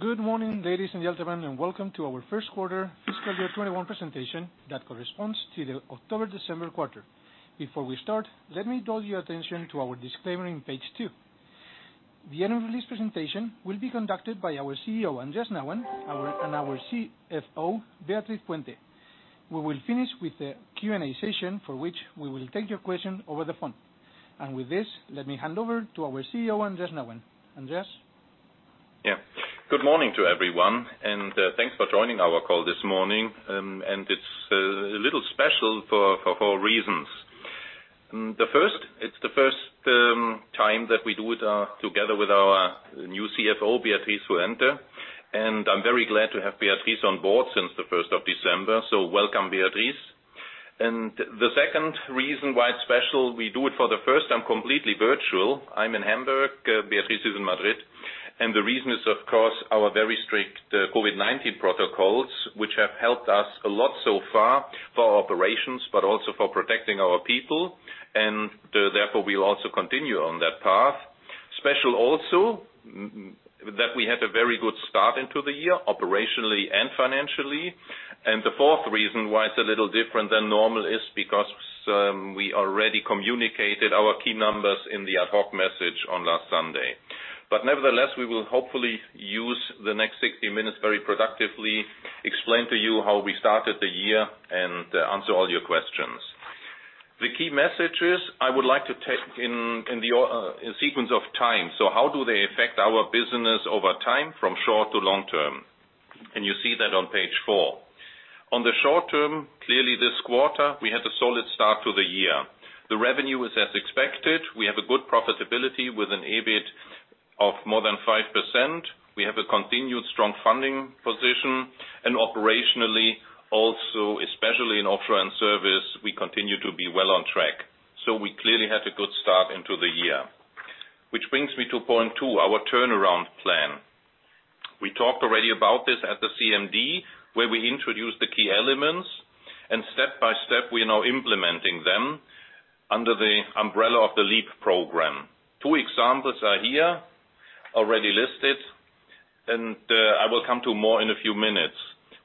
Good morning, ladies and gentlemen, and welcome to our first quarter fiscal year 2021 presentation that corresponds to the October-December quarter. Before we start, let me draw your attention to our disclaimer on page two. The annual release presentation will be conducted by our CEO, Andreas Nauen, and our CFO, Beatriz Puente. We will finish with a Q&A session, for which we will take your questions over the phone. With this, let me hand over to our CEO, Andreas Nauen. Andreas? Yeah. Good morning to everyone, and thanks for joining our call this morning. It's a little special for four reasons. The first, it's the first time that we do it together with our new CFO, Beatriz Puente. I'm very glad to have Beatriz on board since the 1st of December. Welcome, Beatriz. The second reason why it's special, we do it for the first time completely virtual. I'm in Hamburg, Beatriz is in Madrid. The reason is, of course, our very strict COVID-19 protocols, which have helped us a lot so far for our operations, but also for protecting our people. Therefore, we will also continue on that path. Special also, that we had a very good start into the year, operationally and financially. The fourth reason why it's a little different than normal is because we already communicated our key numbers in the ad hoc message on last Sunday. Nevertheless, we will hopefully use the next 60 minutes very productively, explain to you how we started the year, and answer all your questions. The key messages I would like to take in the sequence of time, so how do they affect our business over time from short to long term? You see that on page four. On the short term, clearly this quarter, we had a solid start to the year. The revenue is as expected. We have a good profitability with an EBIT of more than 5%. We have a continued strong funding position, and operationally also, especially in offshore and service, we continue to be well on track. We clearly had a good start into the year. Which brings me to point two, our turnaround plan. We talked already about this at the CMD, where we introduced the key elements. Step by step, we are now implementing them under the umbrella of the LEAP program. Two examples are here already listed, and I will come to more in a few minutes.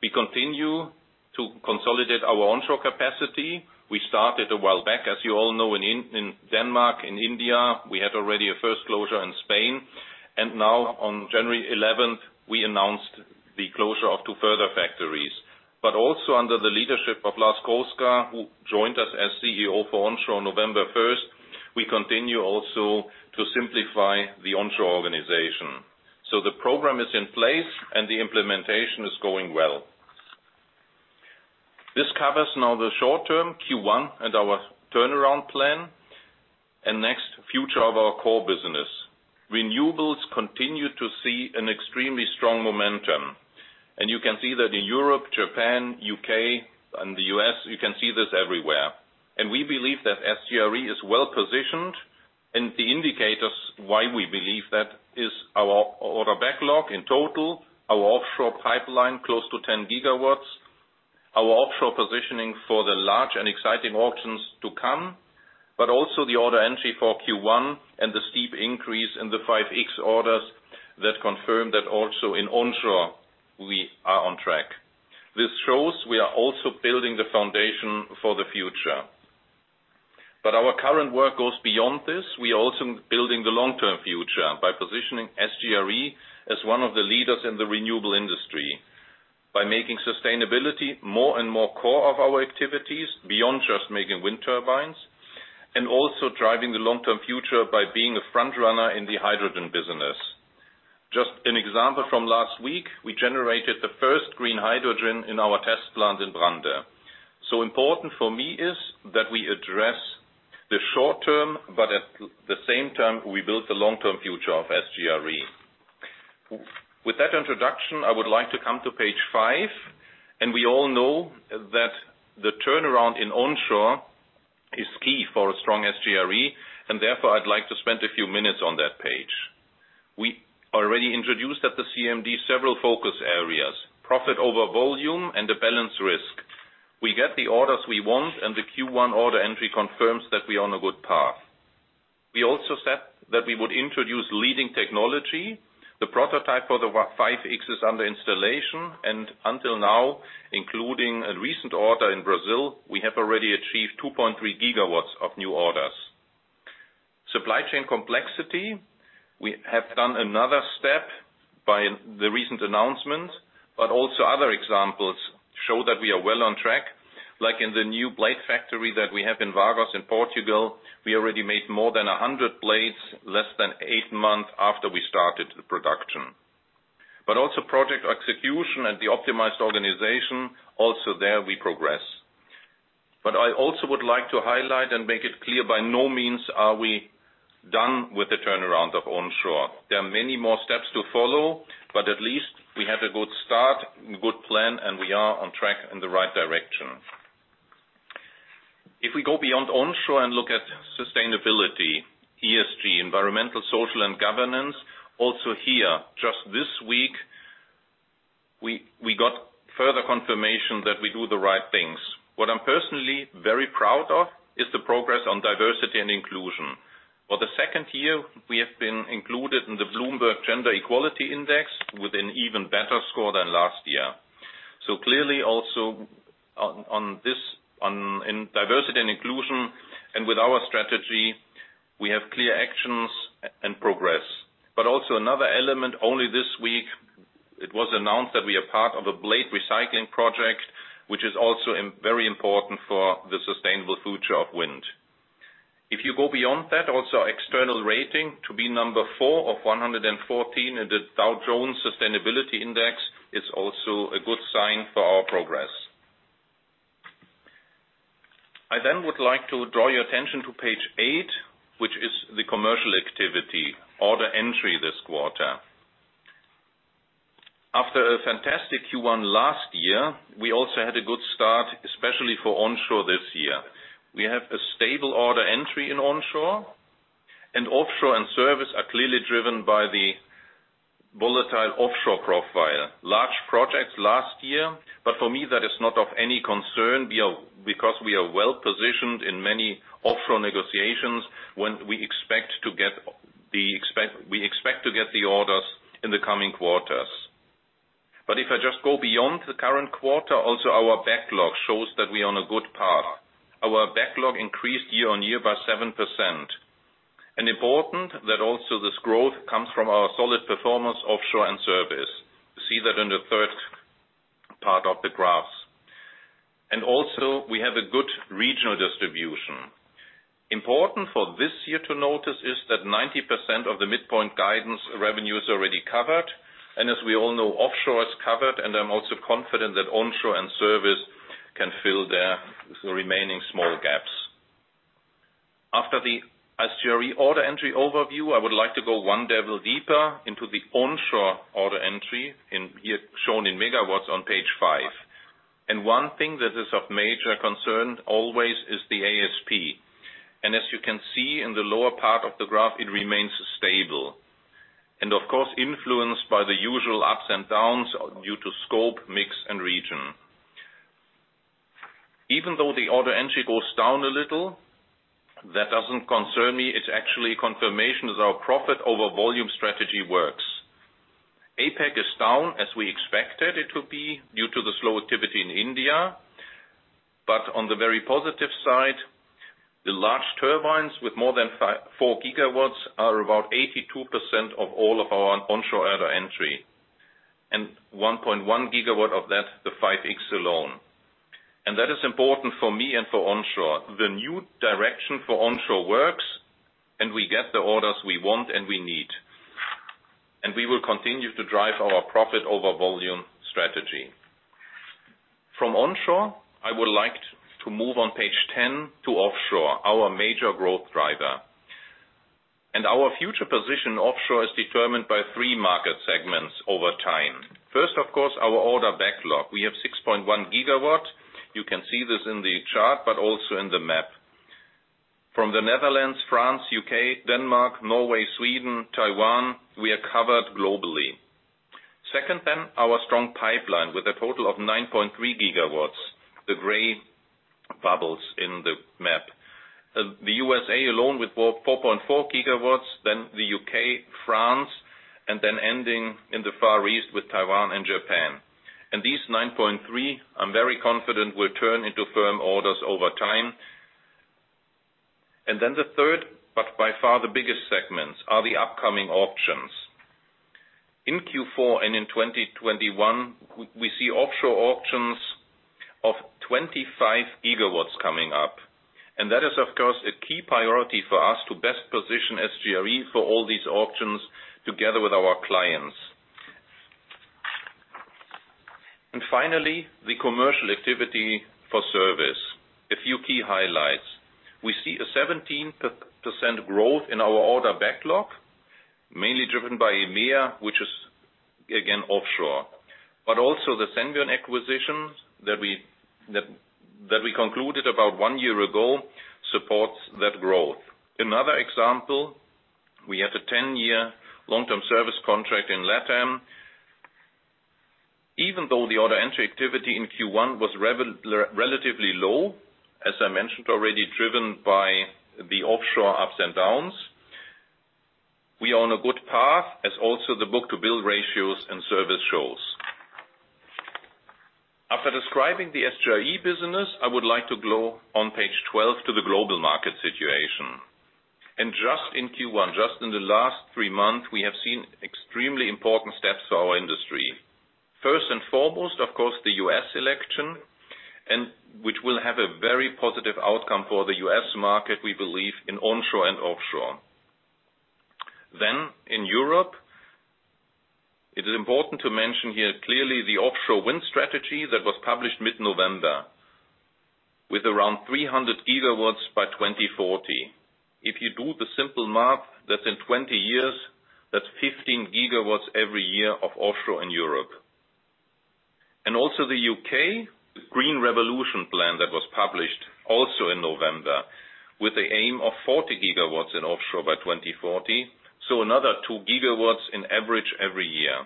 We continue to consolidate our onshore capacity. We started a while back, as you all know, in Denmark, in India. We had already a first closure in Spain. Now on January 11th, we announced the closure of two further factories. Also under the leadership of Lars Krogsgaard, who joined us as CEO for onshore on November 1st, we continue also to simplify the onshore organization. The program is in place and the implementation is going well. This covers now the short term Q1 and our turnaround plan, and next, future of our core business. Renewables continue to see an extremely strong momentum, you can see that in Europe, Japan, U.K., and the U.S., you can see this everywhere. We believe that SGRE is well-positioned, and the indicators why we believe that is our order backlog in total, our offshore pipeline close to 10 GW, our offshore positioning for the large and exciting auctions to come, but also the order entry for Q1 and the steep increase in the 5.X orders that confirm that also in onshore, we are on track. This shows we are also building the foundation for the future. Our current work goes beyond this. We're also building the long-term future by positioning SGRE as one of the leaders in the renewable industry by making sustainability more and more core of our activities beyond just making wind turbines. Also driving the long-term future by being a frontrunner in the hydrogen business. Just an example from last week, we generated the first green hydrogen in our test plant in Brande. Important for me is that we address the short term, but at the same time, we build the long-term future of SGRE. With that introduction, I would like to come to page five. We all know that the turnaround in onshore is key for a strong SGRE. Therefore, I'd like to spend a few minutes on that page. We already introduced at the CMD several focus areas, profit over volume and a balanced risk. We get the orders we want, and the Q1 order entry confirms that we are on a good path. We also said that we would introduce leading technology. The prototype for the 5.X is under installation, and until now, including a recent order in Brazil, we have already achieved 2.3 GW of new orders. Supply chain complexity, we have done another step by the recent announcement, but also other examples show that we are well on track, like in the new blade factory that we have in Vagos in Portugal, we already made more than 100 blades less than eight months after we started the production. Also project execution and the optimized organization, also there we progress. I also would like to highlight and make it clear by no means are we done with the turnaround of onshore. There are many more steps to follow, but at least we have a good start, good plan, and we are on track in the right direction. We go beyond onshore and look at sustainability, ESG, environmental, social, and governance. Also here, just this week we got further confirmation that we do the right things. What I'm personally very proud of is the progress on diversity and inclusion. For the second year, we have been included in the Bloomberg Gender-Equality Index with an even better score than last year. Clearly also in diversity and inclusion and with our strategy, we have clear actions and progress. Also another element. Only this week it was announced that we are part of a blade recycling project, which is also very important for the sustainable future of wind. If you go beyond that also, external rating to be number four of 114 in the Dow Jones Sustainability Index is also a good sign for our progress. I then would like to draw your attention to page eight, which is the commercial activity order entry this quarter. After a fantastic Q1 last year, we also had a good start, especially for onshore this year. We have a stable order entry in onshore and offshore, and service are clearly driven by the volatile offshore profile. Large projects last year, but for me that is not of any concern, because we are well-positioned in many offshore negotiations when we expect to get the orders in the coming quarters. If I just go beyond the current quarter, also, our backlog shows that we are on a good path. Our backlog increased year-on-year by 7%. Important that also this growth comes from our solid performance offshore and service. You see that in the third part of the graphs. Also we have a good regional distribution. Important for this year to notice is that 90% of the midpoint guidance revenue is already covered, and as we all know, offshore is covered, and I'm also confident that onshore and service can fill their remaining small gaps. After the SGRE order entry overview, I would like to go one level deeper into the onshore order entry in here, shown in megawatts on page five. One thing that is of major concern always is the ASP. As you can see in the lower part of the graph, it remains stable and of course, influenced by the usual ups and downs due to scope, mix, and region. Even though the order entry goes down a little, that doesn't concern me. It's actually confirmation that our profit over volume strategy works. APAC is down as we expected it to be due to the slow activity in India. On the very positive side, the large turbines with more than 4 GW are about 82% of all of our onshore order entry, and 1.1 GW of that, the 5.X alone. That is important for me and for onshore. The new direction for onshore works. We get the orders we want and we need. We will continue to drive our profit over volume strategy. From onshore, I would like to move on page 10 to offshore, our major growth driver. Our future position offshore is determined by three market segments over time. First, of course, our order backlog. We have 6.1 GW. You can see this in the chart, but also in the map. From the Netherlands, France, U.K., Denmark, Norway, Sweden, Taiwan, we are covered globally. Second, our strong pipeline with a total of 9.3 GW, the gray bubbles in the map. The USA alone with 4.4 GW, the U.K., France, and ending in the Far East with Taiwan and Japan. These 9.3, I'm very confident, will turn into firm orders over time. The third, but by far the biggest segments are the upcoming auctions. In Q4 and in 2021, we see offshore auctions of 25 GW coming up, that is, of course, a key priority for us to best position SGRE for all these auctions together with our clients. Finally, the commercial activity for service. A few key highlights. We see a 17% growth in our order backlog, mainly driven by EMEA, which is again offshore. Also the Senvion acquisition that we concluded about one year ago supports that growth. Another example, we had a 10-year long-term service contract in LATAM. Even though the order entry activity in Q1 was relatively low, as I mentioned already, driven by the offshore ups and downs, we are on a good path as also the book-to-bill ratios and service shows. After describing the SGRE business, I would like to go on page 12 to the global market situation. Just in Q1, just in the last three months, we have seen extremely important steps for our industry. First and foremost, of course, the U.S. election, which will have a very positive outcome for the U.S. market, we believe in onshore and offshore. In Europe, it is important to mention here clearly the offshore wind strategy that was published mid-November with around 300 GW by 2040. If you do the simple math, that's in 20 years, that's 15 GW every year of offshore in Europe. Also the U.K., Green Revolution plan that was published also in November, with the aim of 40 GW in offshore by 2040. Another two GW in average every year.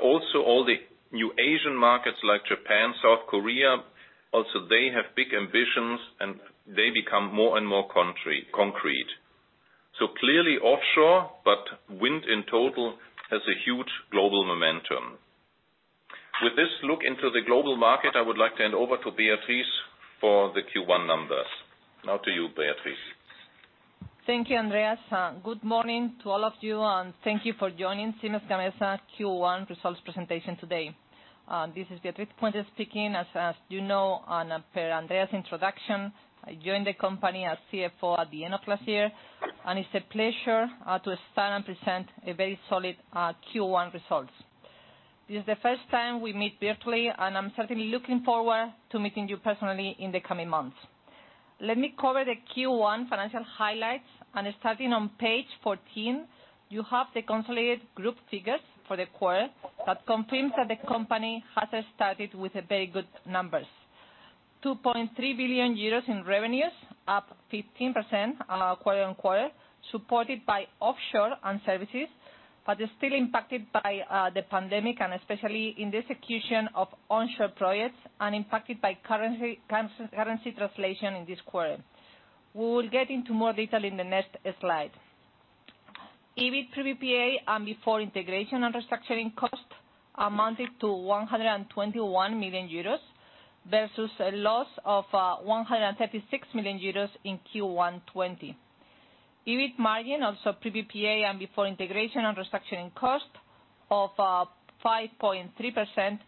Also all the new Asian markets like Japan, South Korea, also they have big ambitions and they become more and more concrete. Clearly offshore, but wind in total has a huge global momentum. With this look into the global market, I would like to hand over to Beatriz for the Q1 numbers. Now to you, Beatriz. Thank you, Andreas. Good morning to all of you, and thank you for joining Siemens Gamesa Q1 results presentation today. This is Beatriz Puente speaking. As you know, per Andreas' introduction, I joined the company as CFO at the end of last year, and it's a pleasure to stand and present very solid Q1 results. This is the first time we meet virtually, and I'm certainly looking forward to meeting you personally in the coming months. Let me cover the Q1 financial highlights. Starting on page 14, you have the consolidated group figures for the quarter that confirms that the company has started with very good numbers. 2.3 billion euros in revenues, up 15% quarter-on-quarter, supported by offshore and services, but still impacted by the pandemic, and especially in the execution of onshore projects, and impacted by currency translation in this quarter. We will get into more detail in the next slide. EBIT pre PPA and before integration and restructuring costs amounted to 121 million euros versus a loss of 136 million euros in Q1 2020. EBIT margin, also pre PPA and before integration and restructuring cost of 5.3%,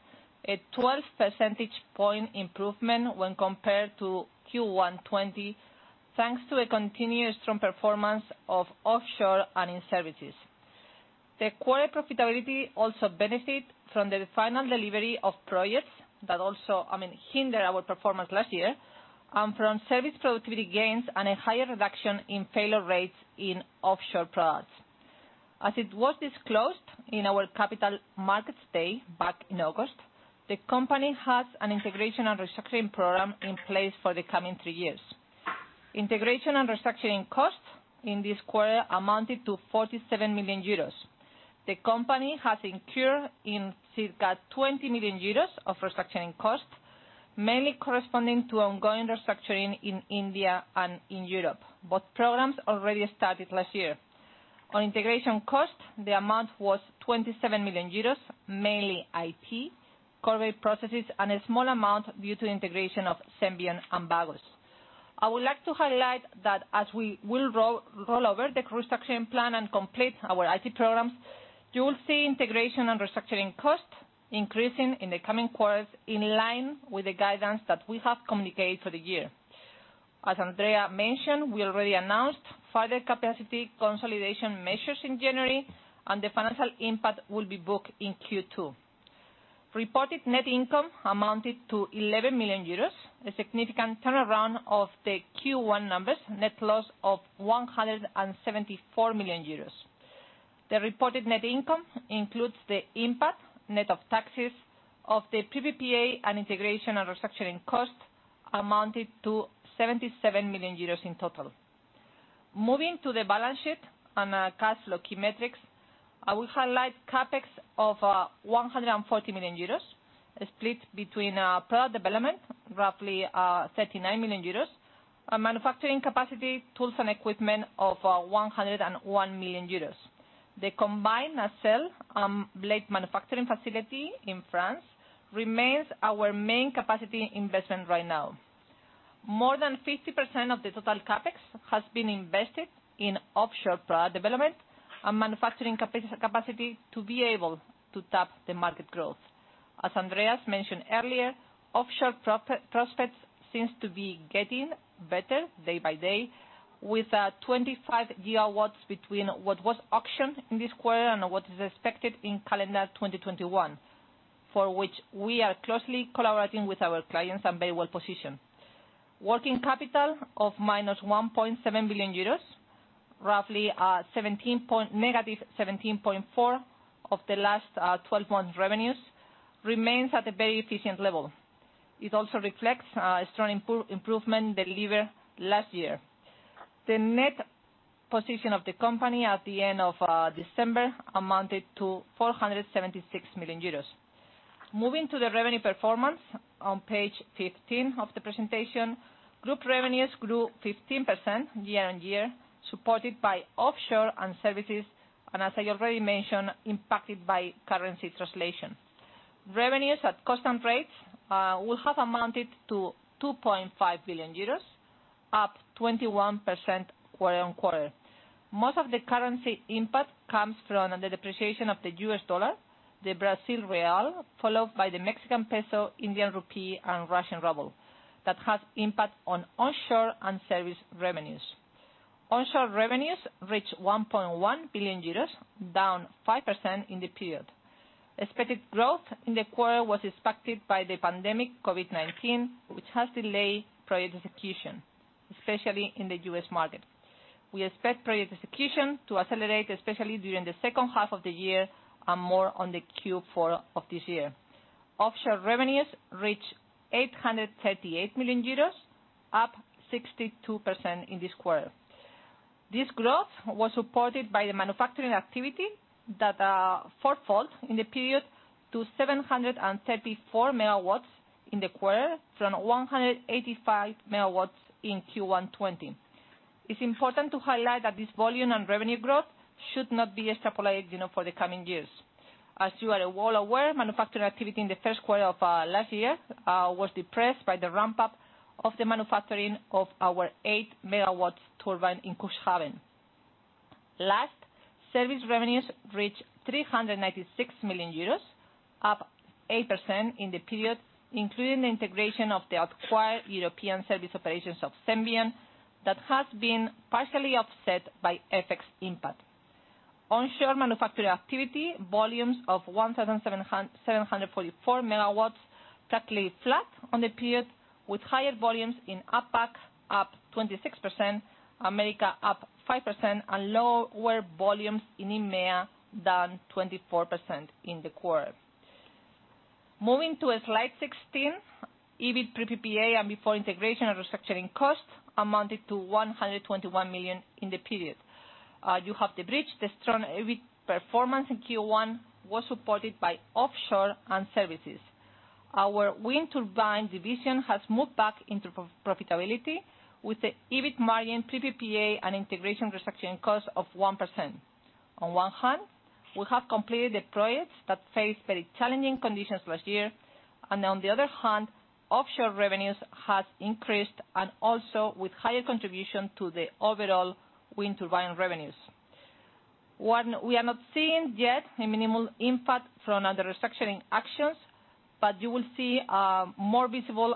a 12 percentage point improvement when compared to Q1 2020, thanks to a continued strong performance of offshore and in services. The quarter profitability also benefit from the final delivery of projects that also hindered our performance last year, and from service productivity gains and a higher reduction in failure rates in offshore products. As it was disclosed in our Capital Markets Day back in August, the company has an Integration and Restructuring Program in place for the coming three years. Integration and restructuring costs in this quarter amounted to 47 million euros. The company has incurred in circa 20 million euros of restructuring costs, mainly corresponding to ongoing restructuring in India and in Europe. Both programs already started last year. On integration costs, the amount was 27 million euros, mainly IT, corporate processes, and a small amount due to integration of Senvion and Vagos. I would like to highlight that as we will roll over the restructuring plan and complete our IT programs, you will see integration and restructuring costs increasing in the coming quarters in line with the guidance that we have communicated for the year. As Andreas mentioned, we already announced further capacity consolidation measures in January, and the financial impact will be booked in Q2. Reported net income amounted to 11 million euros, a significant turnaround of the Q1 numbers, net loss of 174 million euros. The reported net income includes the impact, net of taxes, of the PPA and integration and restructuring costs amounted to 77 million euros in total. Moving to the balance sheet and cash flow key metrics, I will highlight CapEx of 140 million euros, split between product development, roughly 39 million euros, manufacturing capacity, tools and equipment of 101 million euros. The combined nacelle blade manufacturing facility in France remains our main capacity investment right now. More than 50% of the total CapEx has been invested in offshore product development and manufacturing capacity to be able to tap the market growth. As Andreas mentioned earlier, offshore prospects seems to be getting better day by day, with 25 GW between what was auctioned in this quarter and what is expected in calendar 2021, for which we are closely collaborating with our clients and very well-positioned. Working capital of -1.7 billion euros, roughly negative 17.4% of the last 12 months' revenues, remains at a very efficient level. It also reflects a strong improvement delivered last year. The net position of the company at the end of December amounted to 476 million euros. Moving to the revenue performance on page 15 of the presentation. Group revenues grew 15% year-on-year, supported by offshore and services, and as I already mentioned, impacted by currency translation. Revenues at constant rates would have amounted to 2.5 billion euros, up 21% quarter-on-quarter. Most of the currency impact comes from the depreciation of the US dollar, the Brazil real, followed by the Mexican peso, Indian rupee, and Russian ruble. That has impact on onshore and service revenues. Onshore revenues reached 1.1 billion euros, down 5% in the period. Expected growth in the quarter was impacted by the pandemic COVID-19, which has delayed project execution, especially in the U.S. market. We expect project execution to accelerate, especially during the second half of the year, and more on the Q4 of this year. Offshore revenues reached €838 million, up 62% in this quarter. This growth was supported by the manufacturing activity that fourfold in the period to 734 MW in the quarter, from 185 MW in Q1 2020. It's important to highlight that this volume and revenue growth should not be extrapolated for the coming years. As you are all aware, manufacturing activity in the first quarter of last year was depressed by the ramp-up of the manufacturing of our 8 MW turbine in Cuxhaven. Service revenues reached 396 million euros, up 8% in the period, including the integration of the acquired European service operations of Senvion that has been partially offset by FX impact. Onshore manufacturing activity, volumes of 1,744 MW, practically flat on the period, with higher volumes in APAC up 26%, America up 5%, and lower volumes in EMEA, down 24% in the quarter. Moving to slide 16, EBIT pre PPA and before integration and restructuring costs amounted to 121 million in the period. You have the bridge. The strong EBIT performance in Q1 was supported by offshore and services. Our wind turbine division has moved back into profitability with the EBIT margin pre PPA and integration restructuring costs of 1%. On one hand, we have completed the projects that faced very challenging conditions last year. On the other hand, offshore revenues have increased and also with higher contribution to the overall wind turbine revenues. We are not seeing yet a minimal impact from the restructuring actions, it will be more visible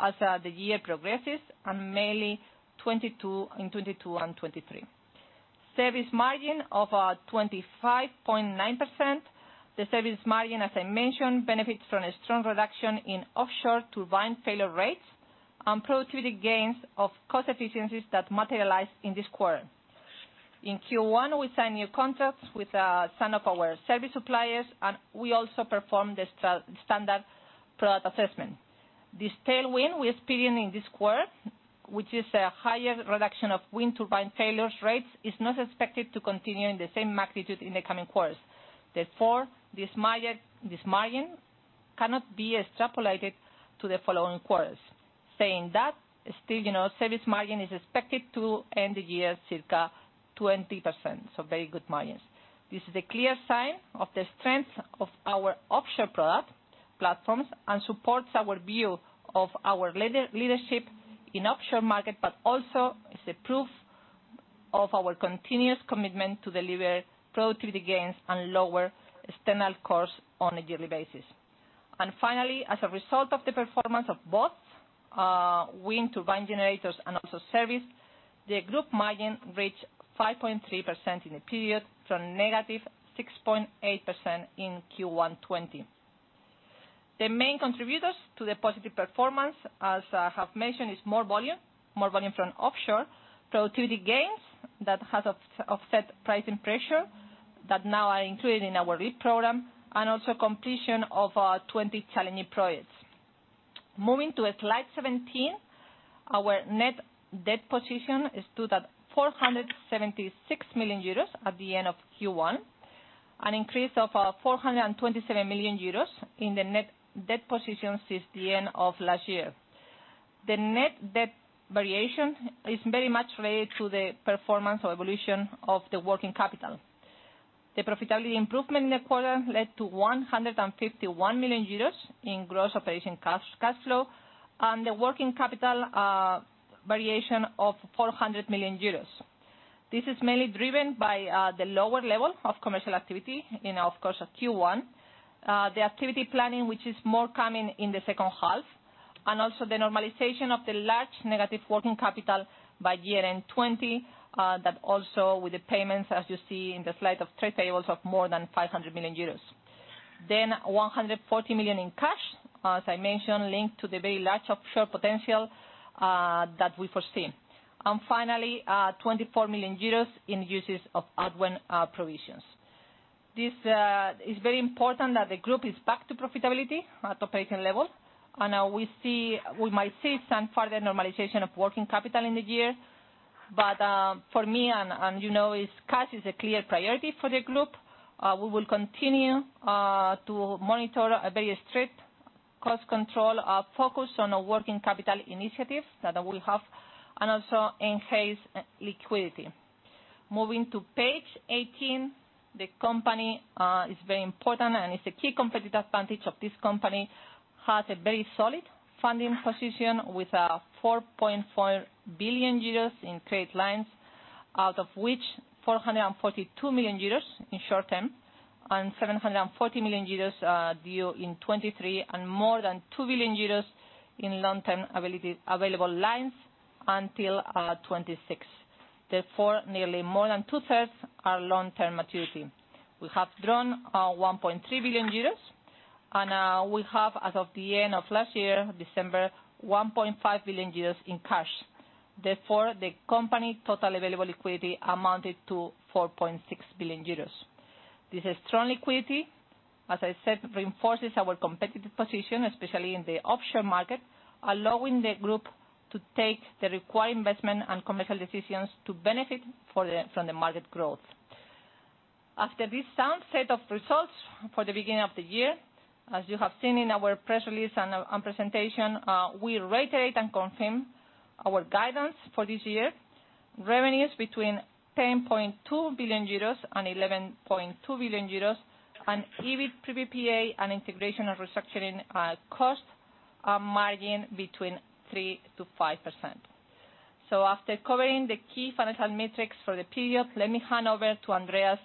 as the year progresses, and mainly in 2022 and 2023. Service margin of 25.9%. The service margin, as I mentioned, benefits from a strong reduction in offshore turbine failure rates and productivity gains of cost efficiencies that materialize in this quarter. In Q1, we signed new contracts with some of our service suppliers, we also performed the standard product assessment. This tailwind we are experiencing this quarter, which is a higher reduction of wind turbine failure rates, is not expected to continue in the same magnitude in the coming quarters. Therefore, this margin cannot be extrapolated to the following quarters. Saying that, still service margin is expected to end the year circa 20%. Very good margins. This is a clear sign of the strength of our offshore product platforms and supports our view of our leadership in offshore market, also is a proof of our continuous commitment to deliver productivity gains and lower external costs on a yearly basis. Finally, as a result of the performance of both wind turbine generators and also service, the group margin reached 5.3% in the period, from negative 6.8% in Q1 2020. The main contributors to the positive performance, as I have mentioned, is more volume from offshore, productivity gains that has offset pricing pressure that now are included in our LEAP program, and also completion of our 20 challenging projects. Moving to slide 17, our net debt position stood at 476 million euros at the end of Q1, an increase of 427 million euros in the net debt position since the end of last year. The net debt variation is very much related to the performance or evolution of the working capital. The profitability improvement in the quarter led to 151 million euros in gross operating cash flow, and the working capital variation of 400 million euros. This is mainly driven by the lower level of commercial activity in, of course, Q1. The activity planning, which is more common in the second half, and also the normalization of the large negative working capital by year-end 2020, that also with the payments, as you see in the slide of trade payables, of more than 500 million euros. 140 million in cash, as I mentioned, linked to the very large offshore potential that we foresee. Finally, 24 million euros in uses of Adwen provisions. This is very important that the group is back to profitability at operating level. We might see some further normalization of working capital in the year, but for me, you know, cash is a clear priority for the group. We will continue to monitor a very strict cost control, focus on working capital initiatives that we'll have, and also enhance liquidity. Moving to page 18, the company, it's very important and it's a key competitive advantage of this company, has a very solid funding position with 4.4 billion euros in trade lines, out of which 442 million euros in short term and 740 million euros due in 2023, and more than 2 billion euros in long-term available lines until 2026. Therefore, nearly more than two-thirds are long-term maturity. We have drawn 1.3 billion euros. We have, as of the end of last year, December, 1.5 billion euros in cash. Therefore, the company total available liquidity amounted to 4.6 billion euros. This strong liquidity, as I said, reinforces our competitive position, especially in the offshore market, allowing the group to take the required investment and commercial decisions to benefit from the market growth. After this sound set of results for the beginning of the year, as you have seen in our press release and our presentation, we reiterate and confirm our guidance for this year. Revenues between 10.2 billion euros and 11.2 billion euros, and EBIT pre PPA and integration and restructuring costs are margin between 3% to 5%. After covering the key financial metrics for the period, let me hand over to Andreas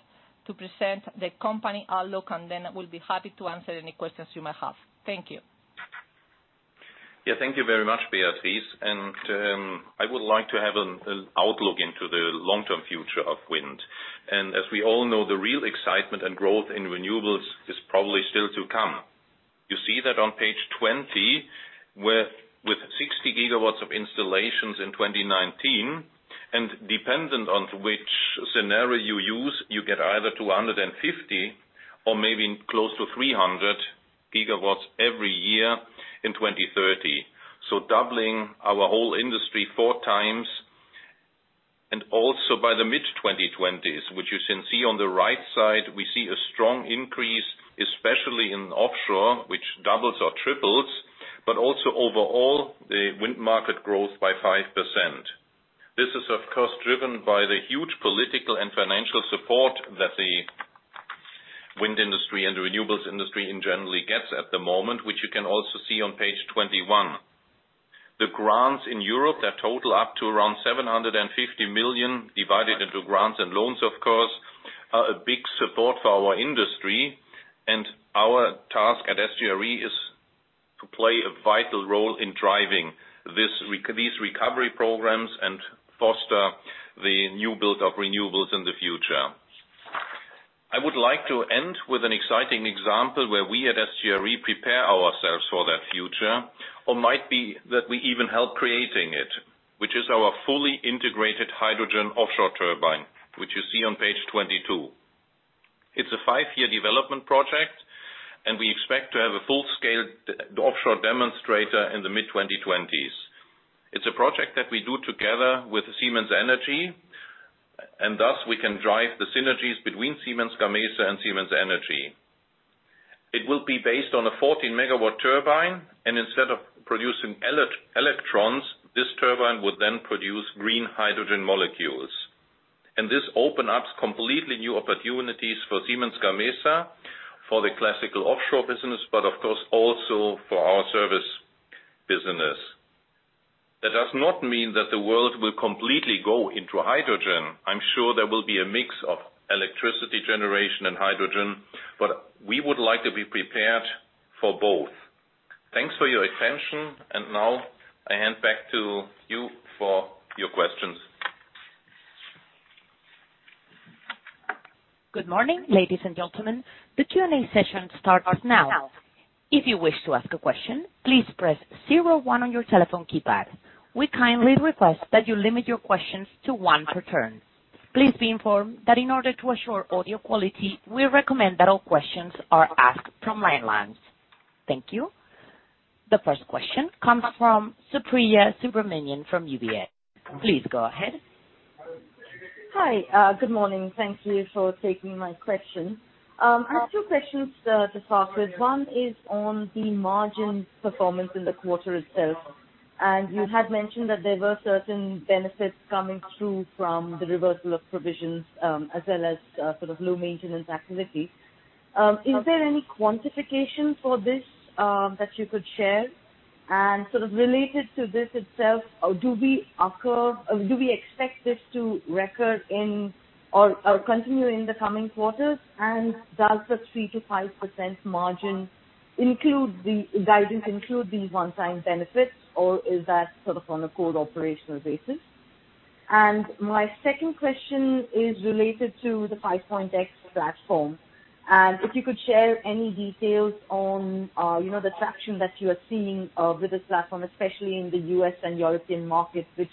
to present the company outlook, and then we'll be happy to answer any questions you may have. Thank you. Thank you very much, Beatriz. I would like to have an outlook into the long-term future of wind. As we all know, the real excitement and growth in renewables is probably still to come. You see that on page 20, with 60 GW of installations in 2019, and dependent on which scenario you use, you get either 250 or maybe close to 300 GW every year in 2030. Doubling our whole industry four times, and also by the mid-2020s, which you can see on the right side, we see a strong increase, especially in offshore, which doubles or triples, but also overall, the wind market grows by 5%. This is, of course, driven by the huge political and financial support that the wind industry and the renewables industry in general gets at the moment, which you can also see on page 21. The grants in Europe that total up to around 750 million, divided into grants and loans, of course, are a big support for our industry. Our task at SGRE is to play a vital role in driving these recovery programs and foster the new build-up renewables in the future. I would like to end with an exciting example where we at SGRE prepare ourselves for that future, or might be that we even help creating it, which is our fully integrated hydrogen offshore turbine, which you see on page 22. It is a five-year development project. We expect to have a full-scale offshore demonstrator in the mid-2020s. It is a project that we do together with Siemens Energy. Thus, we can drive the synergies between Siemens Gamesa and Siemens Energy. It will be based on a 40 MW turbine, and instead of producing electrons, this turbine would then produce green hydrogen molecules. This open ups completely new opportunities for Siemens Gamesa for the classical offshore business, but of course, also for our service business. That does not mean that the world will completely go into hydrogen. I'm sure there will be a mix of electricity generation and hydrogen, but we would like to be prepared for both. Thanks for your attention, and now I hand back to you for your questions. Good morning, ladies and gentlemen. The Q&A session starts now. If you wish to ask a question, please press zero one on your telephone keypad. We kindly request that you limit your questions to one per turn. Please be informed that in order to assure audio quality, we recommend that all questions are asked from landlines. Thank you. The first question comes from Supriya Subramanian from UBS. Please go ahead. Hi. Good morning. Thank you for taking my question. I have two questions to start with. One is on the margin performance in the quarter itself. You had mentioned that there were certain benefits coming through from the reversal of provisions, as well as, sort of low maintenance activity. Is there any quantification for this that you could share? Sort of related to this itself, do we expect this to recur in or continue in the coming quarters? Does the 3%-5% margin guidance include the one-time benefits, or is that sort of on a core operational basis? My second question is related to the 5.X platform. If you could share any details on the traction that you are seeing with this platform, especially in the U.S. and European markets, which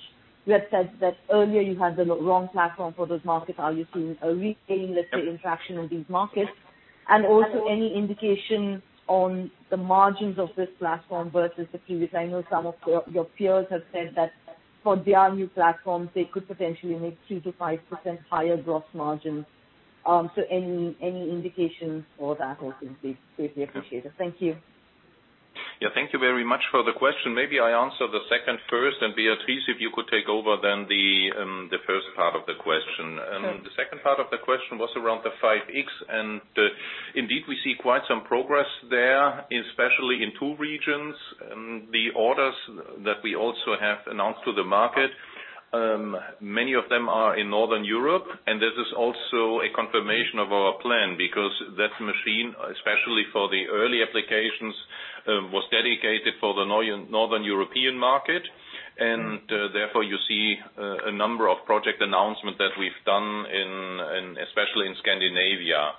you have said that earlier you had the wrong platform for those markets. Are you seeing a regain, let's say, in traction in these markets? Also, any indication on the margins of this platform versus the previous? I know some of your peers have said that for their new platforms, they could potentially make 3%-5% higher gross margins. Any indications for that also would be greatly appreciated. Thank you. Yeah, thank you very much for the question. Maybe I answer the second first, and Beatriz, if you could take over then the first part of the question. Sure. The second part of the question was around the 5.X. Indeed, we see quite some progress there, especially in two regions. The orders that we also have announced to the market, many of them are in Northern Europe. This is also a confirmation of our plan because that machine, especially for the early applications, was dedicated for the Northern European market. Therefore, you see a number of project announcement that we've done especially in Scandinavia.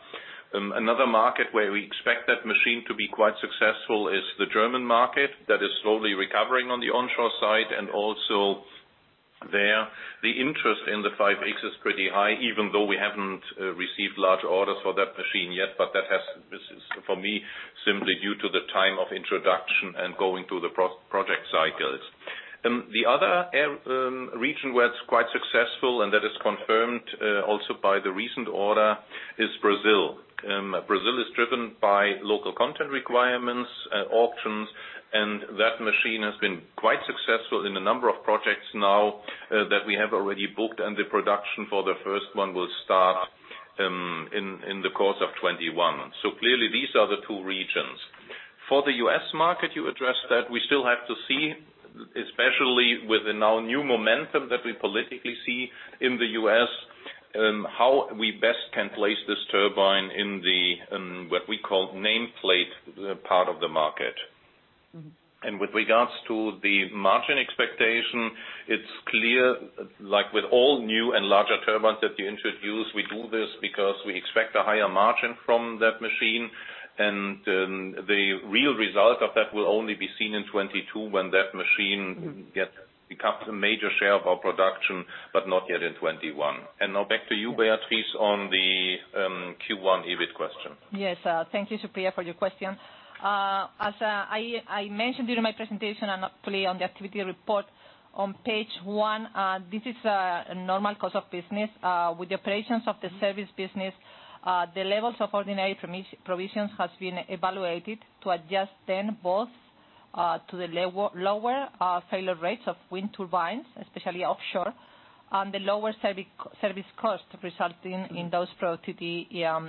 Another market where we expect that machine to be quite successful is the German market that is slowly recovering on the onshore side. Also there, the interest in the 5.X is pretty high, even though we haven't received large orders for that machine yet. That has, for me, simply due to the time of introduction and going through the project cycles. The other region where it's quite successful, and that is confirmed also by the recent order, is Brazil. Brazil is driven by local content requirements at auctions. That machine has been quite successful in a number of projects now that we have already booked. The production for the first one will start in the course of 2021. Clearly these are the two regions. For the U.S. market, you addressed that. We still have to see, especially with the now new momentum that we politically see in the U.S., how we best can place this turbine in the, what we call nameplate part of the market. With regards to the margin expectation, it's clear, like with all new and larger turbines that we introduce, we do this because we expect a higher margin from that machine. The real result of that will only be seen in 2022 when that machine becomes a major share of our production, but not yet in 2021. Now back to you, Beatriz, on the Q1 EBIT question. Yes. Thank you, Supriya, for your question. As I mentioned during my presentation, and hopefully on the activity report on page one, this is a normal course of business. With the operations of the service business, the levels of ordinary provisions has been evaluated to adjust then both to the lower failure rates of wind turbines, especially offshore, and the lower service cost resulting in those productivity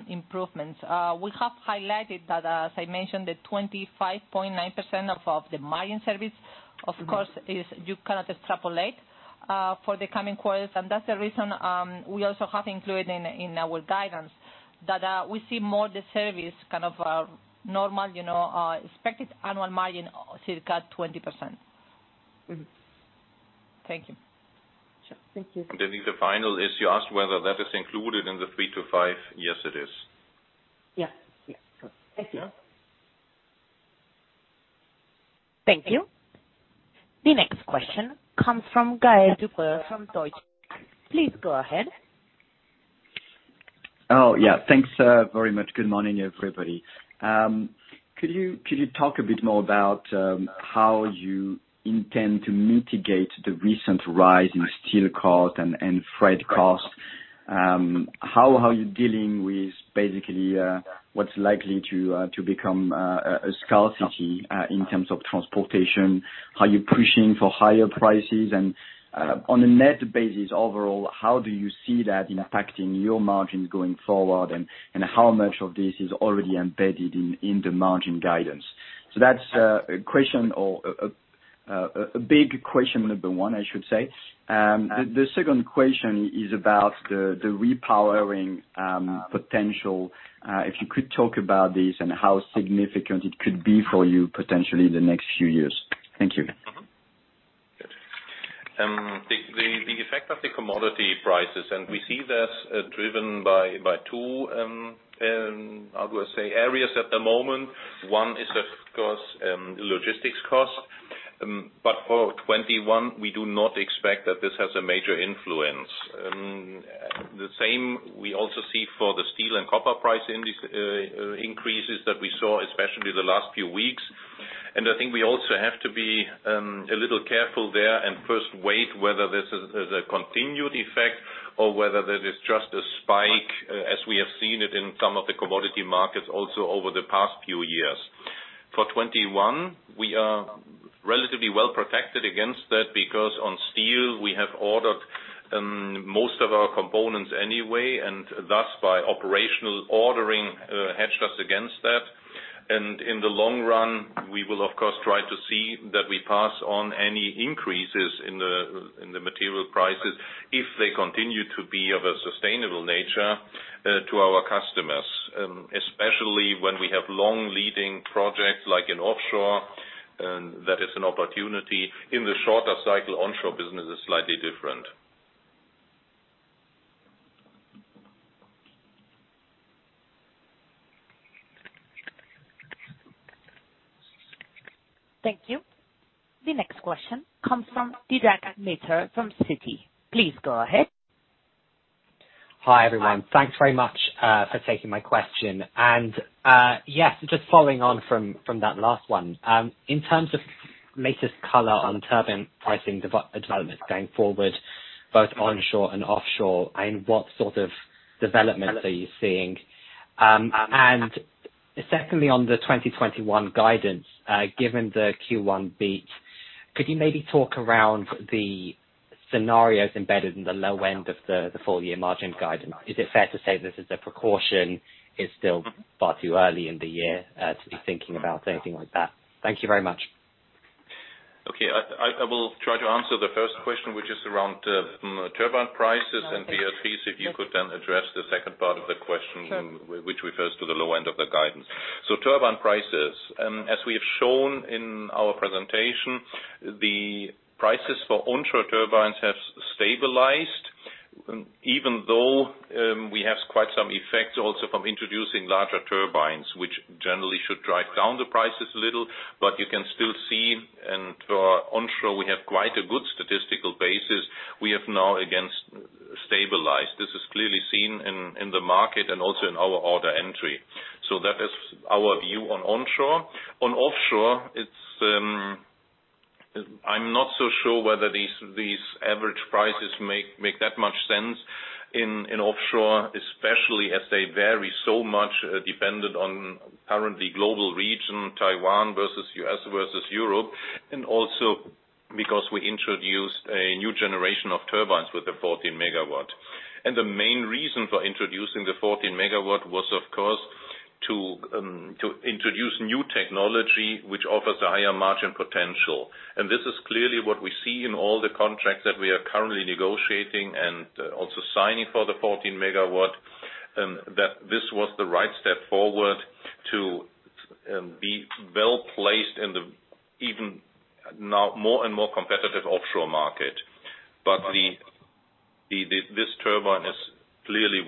improvements. We have highlighted that, as I mentioned, the 25.9% of the margin service, of course, you cannot extrapolate for the coming quarters. That's the reason we also have included in our guidance that we see more the service normal expected annual margin to cut 20%. Thank you. The final issue, you asked whether that is included in the three to five. Yes, it is. Yeah. Sure. Thank you. Thank you. The next question comes from Gael de-Bray from Deutsche Bank. Please go ahead. Yeah. Thanks very much. Good morning, everybody. Could you talk a bit more about how you intend to mitigate the recent rise in steel cost and freight cost? How are you dealing with basically what's likely to become a scarcity in terms of transportation? Are you pushing for higher prices? On a net basis overall, how do you see that impacting your margins going forward, and how much of this is already embedded in the margin guidance? That's a big question number one, I should say. The second question is about the repowering potential. If you could talk about this and how significant it could be for you potentially in the next few years. Thank you. Good. The effect of the commodity prices. We see this driven by two, how do I say, areas at the moment. One is of course, logistics cost. For 2021, we do not expect that this has a major influence. The same we also see for the steel and copper price increases that we saw, especially the last few weeks. I think we also have to be a little careful there and first wait whether this is a continued effect or whether this is just a spike, as we have seen it in some of the commodity markets also over the past few years. For 2021, we are relatively well-protected against that, because on steel, we have ordered most of our components anyway, and thus by operational ordering hedged us against that. In the long run, we will, of course, try to see that we pass on any increases in the material prices if they continue to be of a sustainable nature to our customers, especially when we have long leading projects like in offshore. That is an opportunity. In the shorter cycle, onshore business is slightly different. Thank you. The next question comes from Vivek Midha from Citi. Please go ahead. Hi, everyone. Thanks very much for taking my question. Yes, just following on from that last one. In terms of latest color on turbine pricing developments going forward, both onshore and offshore, and what sort of developments are you seeing? Secondly, on the 2021 guidance, given the Q1 bit, could you maybe talk around the scenarios embedded in the low end of the full-year margin guidance? Is it fair to say this is a precaution? It's still far too early in the year to be thinking about anything like that. Thank you very much. Okay. I will try to answer the first question, which is around turbine prices. Beatriz, if you could then address the second part of the question- Sure -which refers to the low end of the guidance. Turbine prices. As we have shown in our presentation, the prices for onshore turbines have stabilized, even though we have quite some effects also from introducing larger turbines, which generally should drive down the prices a little, but you can still see, and for onshore, we have quite a good statistical basis. We have now, again, stabilized. This is clearly seen in the market and also in our order entry. That is our view on onshore. On offshore, I'm not so sure whether these average prices make that much sense in offshore, especially as they vary so much dependent on current global region, Taiwan versus U.S. versus Europe, and also because we introduced a new generation of turbines with the 14 MW. The main reason for introducing the 14 MW was, of course, to introduce new technology which offers a higher margin potential. This is clearly what we see in all the contracts that we are currently negotiating and also signing for the 14 MW, that this was the right step forward to be well-placed in the even now more and more competitive offshore market. This turbine is clearly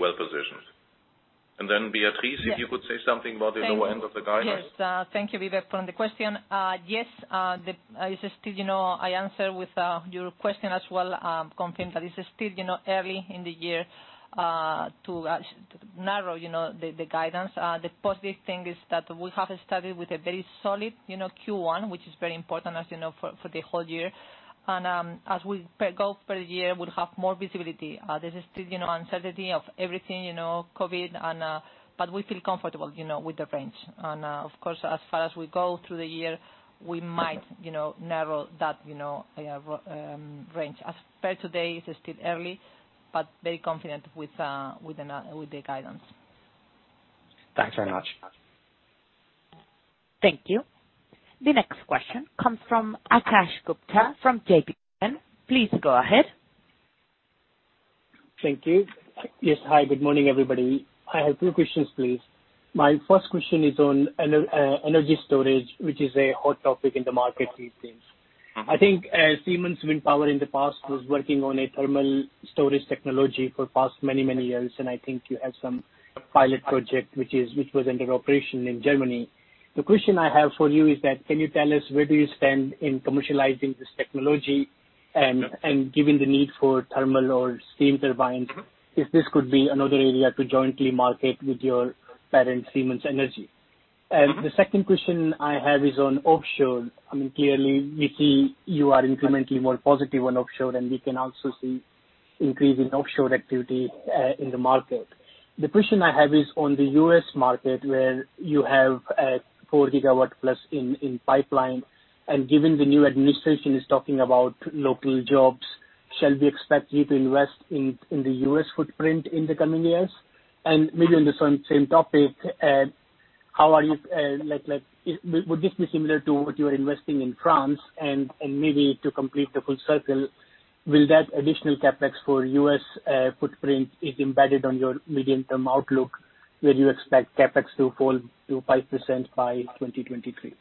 well-positioned. Beatriz- Yes. -if you could say something about the low end of the guidance. Yes. Thank you, Vivek, for the question. I answer with your question as well, confirm that it's still early in the year to narrow the guidance. The positive thing is that we have started with a very solid Q1 which is very important as you know for the whole year. As we go per year, we'll have more visibility. There is still uncertainty of everything, COVID, but we feel comfortable with the range. Of course, as far as we go through the year, we might narrow that range. As per today, it's still early, but very confident with the guidance. Thanks very much. Thank you. The next question comes from Akash Gupta from JPMorgan. Please go ahead. Thank you. Yes, hi. Good morning, everybody. I have two questions, please. My first question is on energy storage, which is a hot topic in the market these days. I think Siemens Wind Power in the past was working on a thermal storage technology for past many, many years, and I think you have some pilot project which was under operation in Germany. The question I have for you is that can you tell us where do you stand in commercializing this technology and given the need for thermal or steam turbines, if this could be another area to jointly market with your parent, Siemens Energy? The second question I have is on offshore. Clearly, we see you are incrementally more positive on offshore, and we can also see increase in offshore activity in the market. The question I have is on the U.S. market, where you have 4 GW plus in pipeline, and given the new administration is talking about local jobs, shall we expect you to invest in the U.S. footprint in the coming years? Maybe on the same topic, would this be similar to what you are investing in France? Maybe to complete the full circle, will that additional CapEx for U.S. footprint is embedded on your medium-term outlook, where you expect CapEx to fall to 5% by 2023?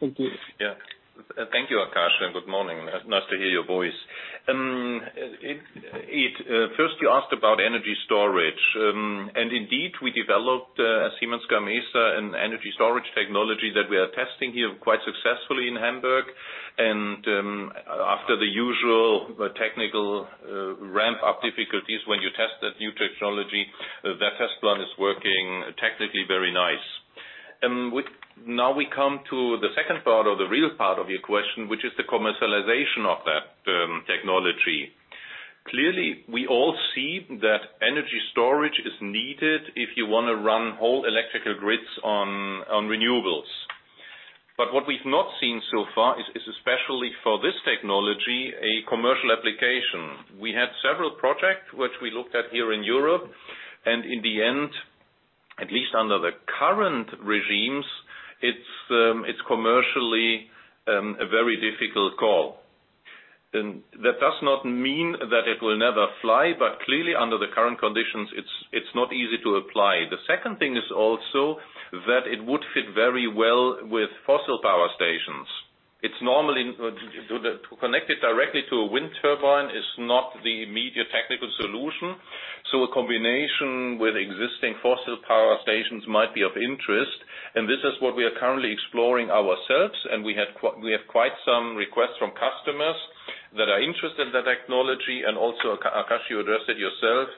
Thank you. Yeah. Thank you, Akash. Good morning. Nice to hear your voice. First, you asked about energy storage. Indeed, we developed, Siemens Gamesa, an energy storage technology that we are testing here quite successfully in Hamburg. After the usual technical ramp-up difficulties when you test that new technology, that test run is working technically very nice. Now we come to the second part or the real part of your question, which is the commercialization of that technology. Clearly, we all see that energy storage is needed if you want to run whole electrical grids on renewables. What we've not seen so far is, especially for this technology, a commercial application. We had several projects which we looked at here in Europe. In the end, at least under the current regimes, it's commercially a very difficult call. That does not mean that it will never fly, but clearly, under the current conditions, it's not easy to apply. The second thing is also that it would fit very well with fossil power stations. To connect it directly to a wind turbine is not the immediate technical solution. A combination with existing fossil power stations might be of interest, and this is what we are currently exploring ourselves, and we have quite some requests from customers that are interested in that technology. Also, Akash, you addressed it yourself,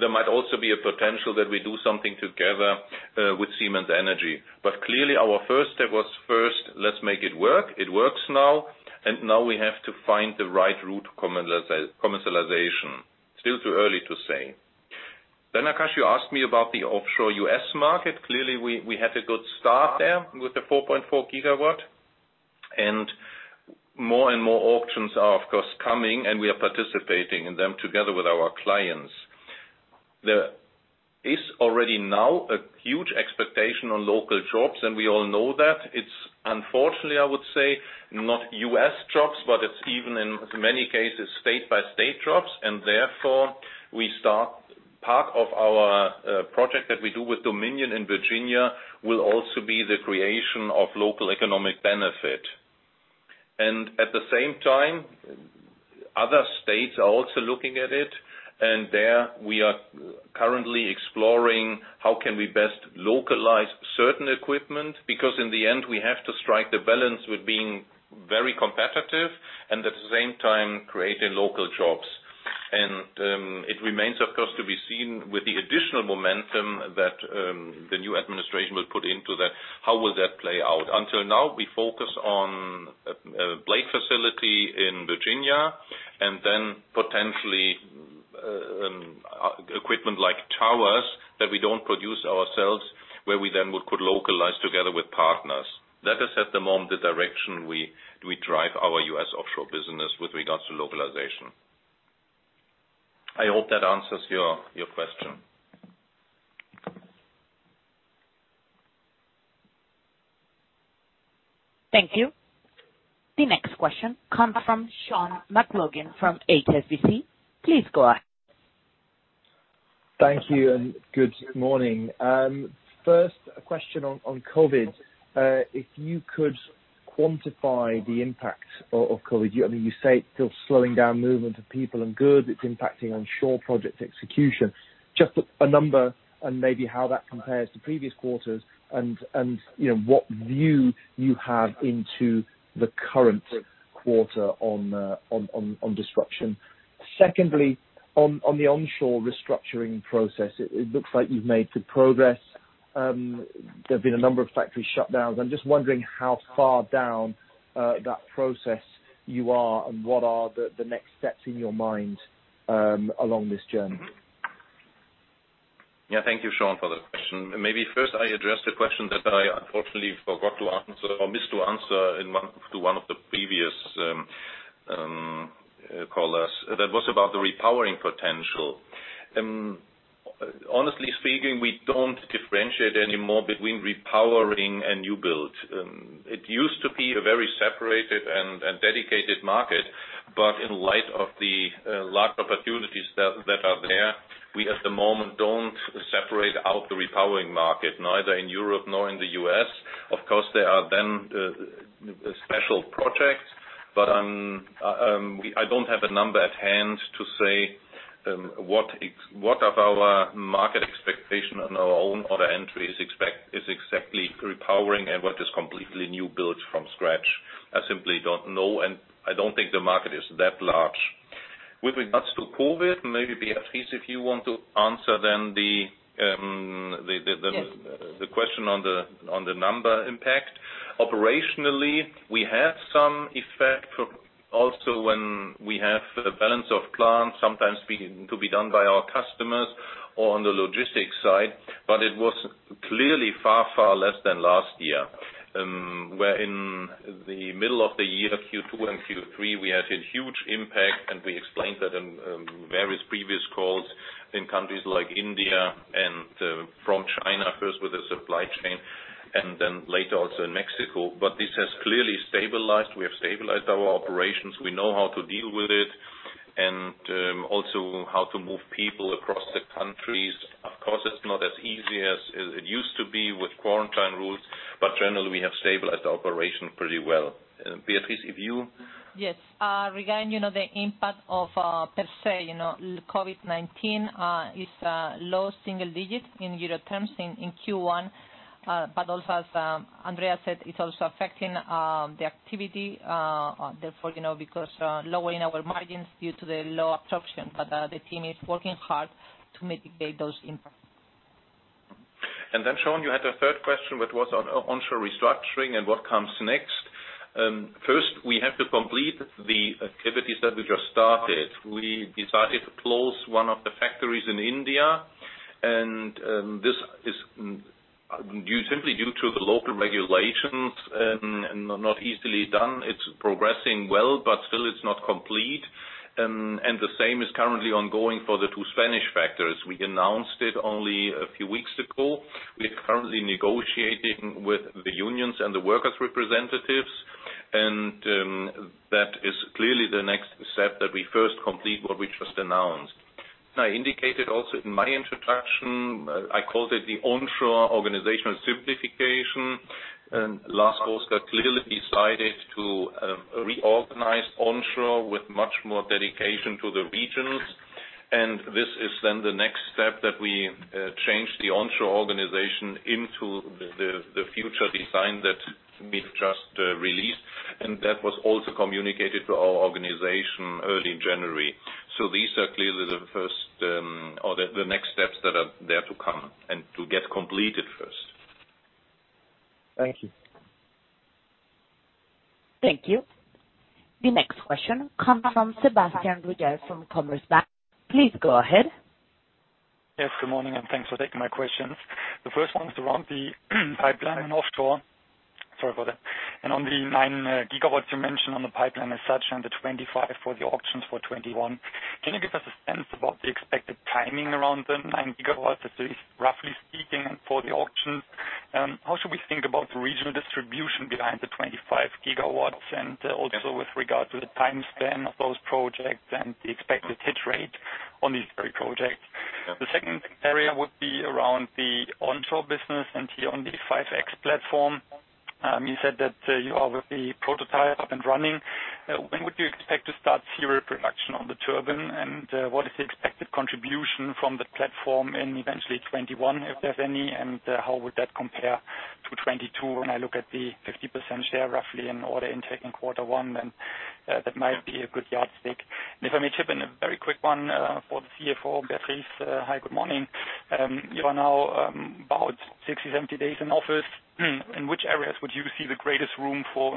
there might also be a potential that we do something together with Siemens Energy. Clearly, our first step was first, let's make it work. It works now, and now we have to find the right route to commercialization. Still too early to say. Akash, you asked me about the offshore U.S. market. Clearly, we had a good start there with the 4.4 GW. More and more auctions are, of course, coming, and we are participating in them together with our clients. There is already now a huge expectation on local jobs, and we all know that. It's unfortunately, I would say, not U.S. jobs, but it's even in many cases, state-by-state jobs, and therefore, part of our project that we do with Dominion in Virginia will also be the creation of local economic benefit. At the same time, other states are also looking at it, and there we are currently exploring how can we best localize certain equipment, because in the end, we have to strike the balance with being very competitive and at the same time, creating local jobs. It remains, of course, to be seen with the additional momentum that the new administration will put into that, how will that play out? Until now, we focus on a blade facility in Virginia and then potentially equipment like towers that we don't produce ourselves, where we then could localize together with partners. That is at the moment the direction we drive our U.S. offshore business with regards to localization. I hope that answers your question. Thank you. The next question comes from Sean McLoughlin from HSBC. Please go ahead. Thank you. Good morning. First, a question on COVID. If you could quantify the impact of COVID. You say it's still slowing down movement of people and goods. It's impacting onshore project execution. Just a number and maybe how that compares to previous quarters and what view you have into the current quarter on disruption. Secondly, on the onshore restructuring process, it looks like you've made good progress. There've been a number of factory shutdowns. I'm just wondering how far down that process you are and what are the next steps in your mind along this journey? Thank you, Sean, for the question. First I address the question that I unfortunately forgot to answer or missed to answer to one of the previous callers. That was about the repowering potential. Honestly speaking, we don't differentiate anymore between repowering and new build. It used to be a very separated and dedicated market, in light of the large opportunities that are there, we at the moment don't separate out the repowering market, neither in Europe nor in the U.S. Of course, there are then special projects, I don't have a number at hand to say what of our market expectation on our own order entries is exactly repowering and what is completely new build from scratch. I simply don't know, I don't think the market is that large. With regards to COVID, maybe Beatriz, if you want to answer- Yes -the question on the number impact. Operationally, we had some effect also when we have a balance of plant, sometimes to be done by our customers or on the logistics side. It was clearly far, far less than last year. Where in the middle of the year, Q2 and Q3, we had a huge impact, and we explained that in various previous calls in countries like India and from China, first with the supply chain, and then later also in Mexico. This has clearly stabilized. We have stabilized our operations. We know how to deal with it, and also how to move people across the countries. Of course, it's not as easy as it used to be with quarantine rules, but generally, we have stabilized the operation pretty well. Beatriz, if you- Yes. Regarding the impact of per se COVID-19 is low single digit in EUR terms in Q1. Also, as Andreas said, it's also affecting the activity, therefore, because lowering our margins due to the low absorption. The team is working hard to mitigate those impacts. Sean, you had a third question, which was on onshore restructuring and what comes next. First, we have to complete the activities that we just started. We decided to close one of the factories in India, and this is simply due to the local regulations, and not easily done. It's progressing well, but still it's not complete. The same is currently ongoing for the two Spanish factories. We announced it only a few weeks ago. We are currently negotiating with the unions and the workers' representatives, and that is clearly the next step, that we first complete what we just announced. I indicated also in my introduction, I called it the onshore organizational simplification. Lars Krogsgaard clearly decided to reorganize onshore with much more dedication to the regions. This is then the next step, that we change the onshore organization into the future design that we've just released, and that was also communicated to our organization early in January. These are clearly the next steps that are there to come and to get completed first. Thank you. Thank you. The next question comes from Sebastian Griegel from Commerzbank. Please go ahead. Yes, good morning, thanks for taking my questions. The first one is around the pipeline and offshore. Sorry about that. On the 9 GW you mentioned on the pipeline as such, and the 25 for the auctions for 2021. Can you give us a sense about the expected timing around the 9 GW, roughly speaking, for the auctions? How should we think about the regional distribution behind the 25 GW, with regard to the time span of those projects and the expected hit rate on these very projects. Yeah. The second area would be around the onshore business and the 5.X platform. You said that you are with the prototype up and running. When would you expect to start serial production on the turbine? What is the expected contribution from the platform in eventually 2021, if there's any, and how would that compare to 2022? When I look at the 50% share roughly in order intake in quarter one, that might be a good yardstick. If I may chip in a very quick one for the CFO, Beatriz. Hi, good morning. You are now about 60, 70 days in office. In which areas would you see the greatest room for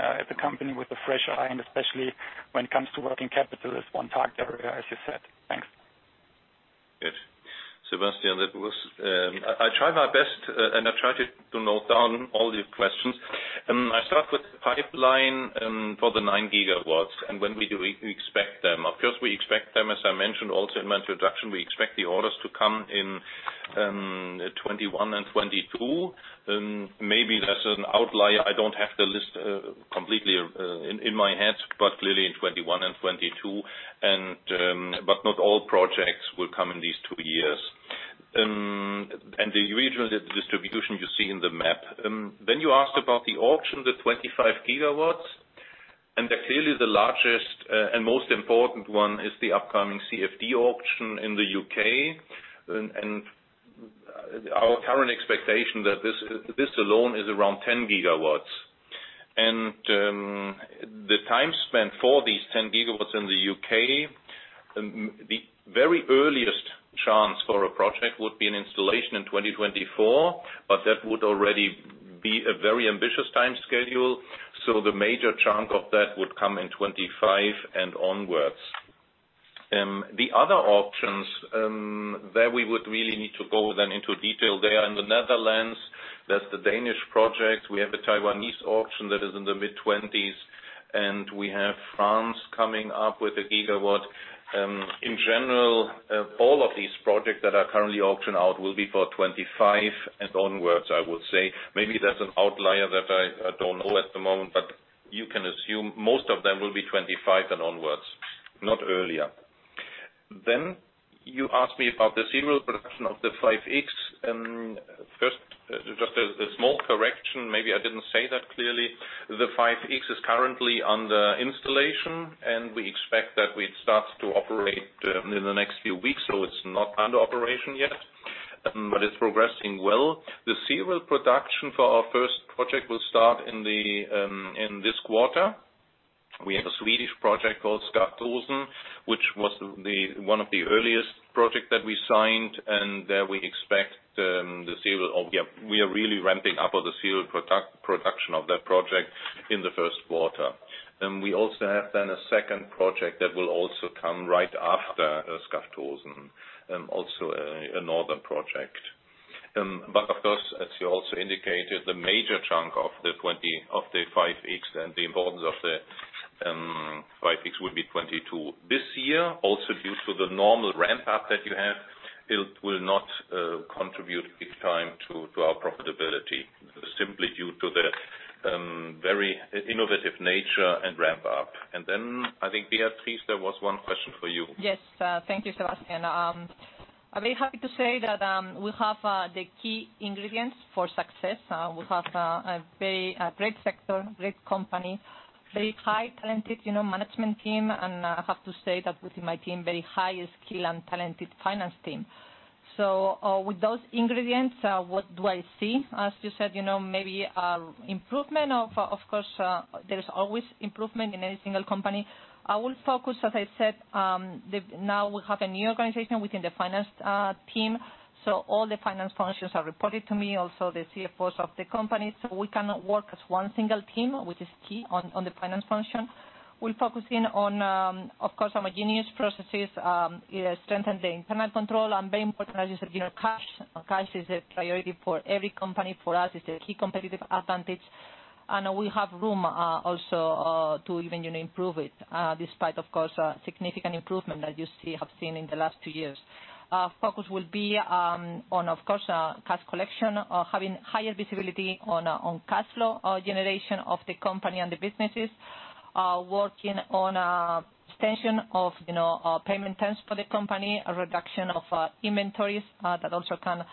improvement when looking at the company with a fresh eye and especially when it comes to working capital as one target area, as you said? Thanks. Good. Sebastian, I try my best and I try to note down all the questions. I start with the pipeline for the 9 GW and when we do expect them. Of course, we expect them, as I mentioned also in my introduction, we expect the orders to come in 2021 and 2022. Maybe there's an outlier. I don't have the list completely in my head, but clearly in 2021 and 2022. Not all projects will come in these two years. The regional distribution you see in the map. You asked about the auction, the 25 GW, and clearly the largest and most important one is the upcoming CfD auction in the U.K. Our current expectation that this alone is around 10 GW. The time spent for these 10 GW in the U.K., the very earliest chance for a project would be an installation in 2024, but that would already be a very ambitious time schedule, so the major chunk of that would come in 2025 and onwards. The other auctions, there we would really need to go then into detail. They are in the Netherlands. There's the Danish project. We have a Taiwanese auction that is in the mid-2020s, and we have France coming up with a gigawatt. In general, all of these projects that are currently auction out will be for 2025 and onwards, I would say. Maybe there's an outlier that I don't know at the moment, but you can assume most of them will be 2025 and onwards, not earlier. You asked me about the serial production of the 5.X. First, just a small correction, maybe I didn't say that clearly. The 5.X is currently under installation, and we expect that it starts to operate in the next few weeks. It's not under operation yet. It's progressing well. The serial production for our first project will start in this quarter. We have a Swedish project called Skaftåsen, which was one of the earliest project that we signed, and we are really ramping up the serial production of that project in the first quarter. We also have then a second project that will also come right after Skaftåsen, also a Northern project. Of course, as you also indicated, the major chunk of the 5.X and the importance of the 5.X will be 2022. This year, also due to the normal ramp-up that you have, it will not contribute big time to our profitability, simply due to the very innovative nature and ramp-up. I think, Beatriz, there was one question for you. Yes. Thank you, Sebastian. I'm very happy to say that we have the key ingredients for success. We have a great sector, great company, very high talented management team, and I have to say that within my team, very high skill and talented finance team. With those ingredients, what do I see? As you said, maybe improvement, of course, there is always improvement in any single company. I will focus, as I said, now we have a new organization within the finance team, so all the finance functions are reported to me, also the CFOs of the company. We can work as one single team, which is key on the finance function. We're focusing on, of course, homogeneous processes, strengthen the internal control, and very important, as you said, cash. Cash is a priority for every company. For us, it's a key competitive advantage. We have room, also, to even improve it, despite, of course, significant improvement that you have seen in the last two years. Our focus will be on, of course, cash collection, having higher visibility on cash flow generation of the company and the businesses, working on extension of payment terms for the company, a reduction of inventories that also can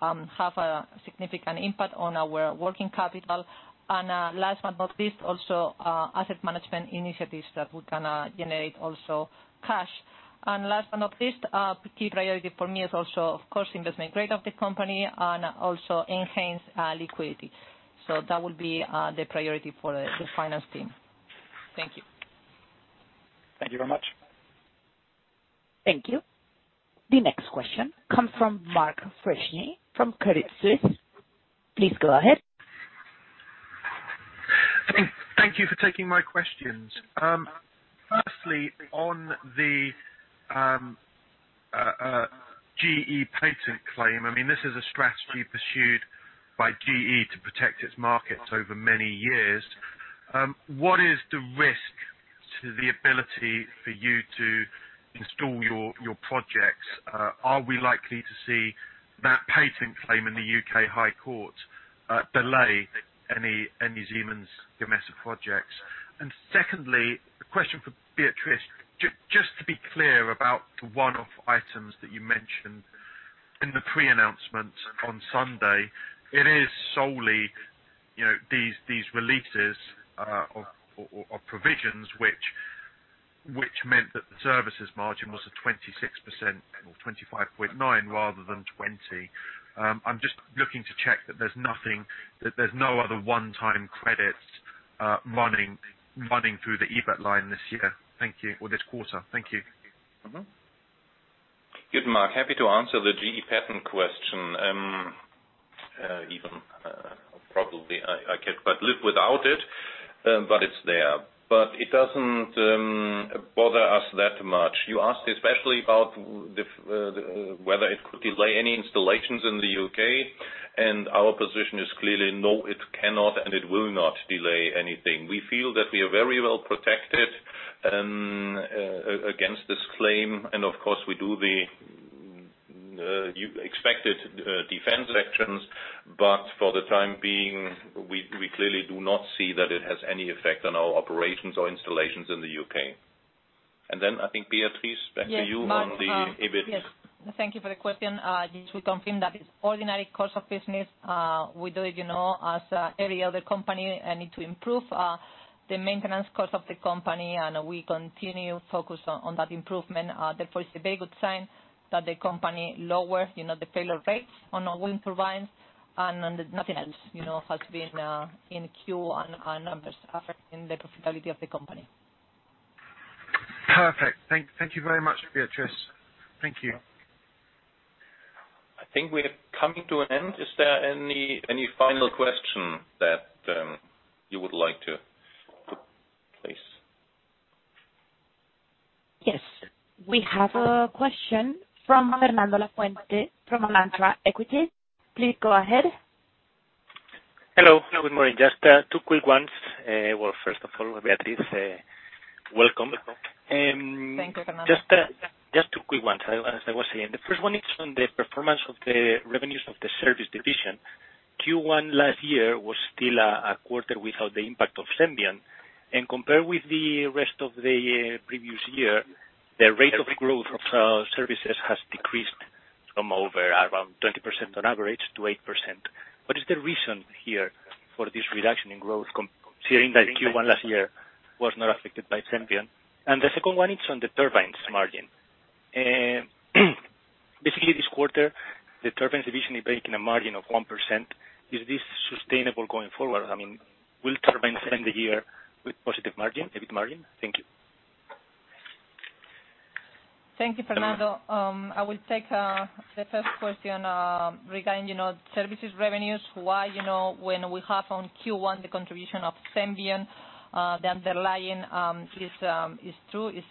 have a significant impact on our working capital. Last but not least, also asset management initiatives that we can generate also cash. Last but not least, a key priority for me is also, of course, investment grade of the company and also enhance liquidity. That will be the priority for the finance team. Thank you. Thank you very much. Thank you. The next question comes from Mark Freshney from Credit Suisse. Please go ahead. Thank you for taking my questions. Firstly, on the GE patent claim, this is a strategy pursued by GE to protect its markets over many years. What is the risk to the ability for you to install your projects? Are we likely to see that patent claim in the U.K. High Court delay any Siemens Gamesa projects? Secondly, a question for Beatriz. Just to be clear about the one-off items that you mentioned in the pre-announcement on Sunday, it is solely these releases of provisions, which meant that the services margin was at 26% or 25.9% rather than 20%. I'm just looking to check that there's no other one-time credits running through the EBIT line this year. Thank you. Or this quarter. Thank you. Good, Mark. Happy to answer the GE patent question. Even probably, I could quite live without it, but it's there. It doesn't bother us that much. You asked especially about whether it could delay any installations in the U.K., and our position is clearly, no, it cannot and it will not delay anything. We feel that we are very well-protected against this claim, and of course, we do the expected defense actions. For the time being, we clearly do not see that it has any effect on our operations or installations in the U.K. I think, Beatriz, back to you on the EBIT. Yes, Mark. Yes. Thank you for the question. Yes, we confirm that it's ordinary course of business. We do it, as any other company need to improve the maintenance cost of the company, and we continue focus on that improvement. Therefore, it's a very good sign that the company lower the failure rates on our wind turbines and nothing else has been in Q1 affecting the profitability of the company. Perfect. Thank you very much, Beatriz. Thank you. I think we are coming to an end. Is there any final question that you would like to place? Yes. We have a question from Fernando Lafuente, from Alantra Equities. Please go ahead. Hello. Good morning. Just two quick ones. Well, first of all, Beatriz, welcome. Thank you, Fernando. Just two quick ones, as I was saying. The first one is on the performance of the revenues of the service division. Q1 last year was still a quarter without the impact of Senvion. Compared with the rest of the previous year, the rate of growth of services has decreased from over around 20% on average to 8%. What is the reason here for this reduction in growth considering that Q1 last year was not affected by Senvion? The second one is on the turbines margin. Basically, this quarter, the turbines division is making a margin of 1%. Is this sustainable going forward? Will turbines end the year with positive margin, EBIT margin? Thank you. Thank you, Fernando. I will take the first question regarding services revenues. Why, when we have on Q1 the contribution of Senvion, the underlying is true, is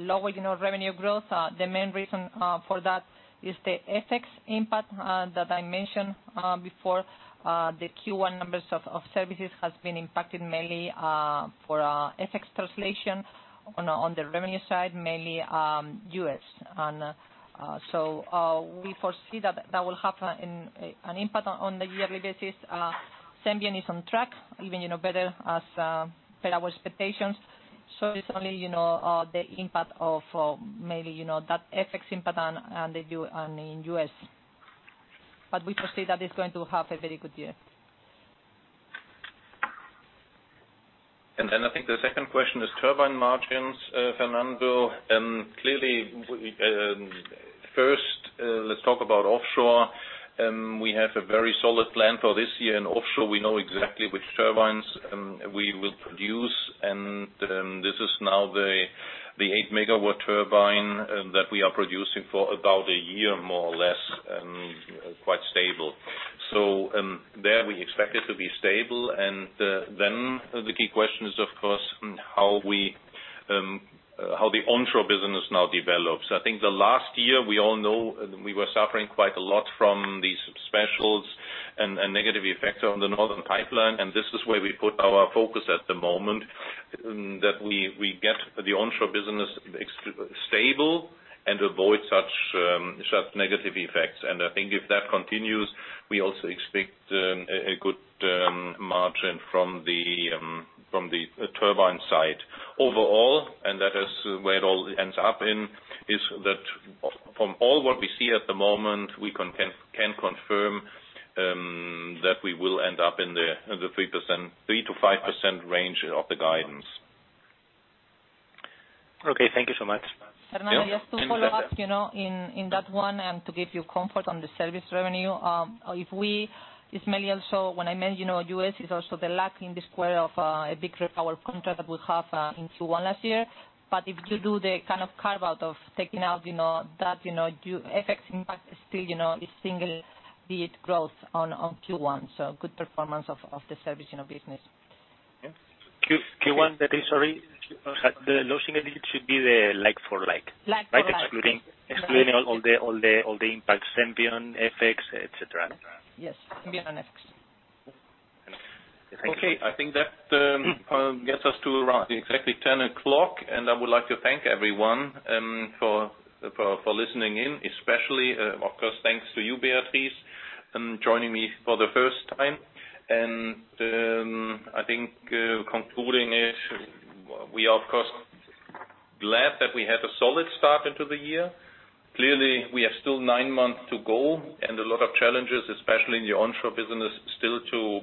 lower revenue growth. The main reason for that is the FX impact that I mentioned before. The Q1 numbers of services has been impacted mainly for FX translation on the revenue side, mainly U.S. We foresee that will have an impact on the yearly basis. Senvion is on track, even better as per our expectations. It's only the impact of mainly that FX impact in U.S. We foresee that it's going to have a very good year. I think the second question is turbine margins, Fernando. First, let's talk about offshore. We have a very solid plan for this year in offshore. We know exactly which turbines we will produce, this is now the 8 MW turbine that we are producing for about one year, more or less, quite stable. There, we expect it to be stable. The key question is, of course, how the onshore business now develops. I think the last year, we all know we were suffering quite a lot from these specials and negative effects on the Northern European pipeline. This is where we put our focus at the moment, that we get the onshore business stable and avoid such negative effects. I think if that continues, we also expect a good margin from the turbine side. Overall, that is where it all ends up in, is that from all what we see at the moment, we can confirm that we will end up in the 3%-5% range of the guidance. Okay. Thank you so much. Fernando, just to follow up in that one and to give you comfort on the service revenue. It's mainly also when I mentioned U.S., it's also the lack in this quarter of a big repower contract that we have in Q1 last year. If you do the carve-out of taking out that FX impact still is single digit growth on Q1, so good performance of the service business. Q1, sorry, the low single digit should be the like for like. Like for like. Excluding all the impacts, Senvion, FX, et cetera. Yes. Senvion, FX. Thank you. Okay. I think that gets us to around exactly 10 o'clock. I would like to thank everyone for listening in, especially, of course, thanks to you, Beatriz, joining me for the first time. I think concluding it, we are, of course, glad that we had a solid start into the year. Clearly, we have still nine months to go and a lot of challenges, especially in the onshore business, still to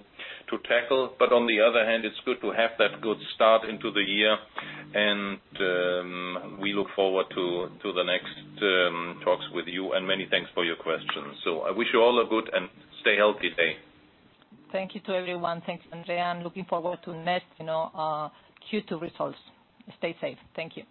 tackle. On the other hand, it's good to have that good start into the year, we look forward to the next talks with you, many thanks for your questions. I wish you all a good and stay healthy day. Thank you to everyone. Thanks, Andreas. I'm looking forward to next Q2 results. Stay safe. Thank you.